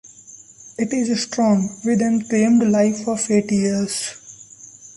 It is strong, with an claimed life of eight years.